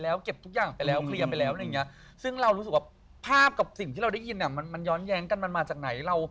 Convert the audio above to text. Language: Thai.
ไปข้างหน้าแล้วเขาก็คงไปจัดการข้างหน้า